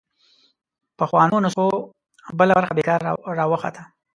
پخوانو نسخو بله برخه بېکاره راوخته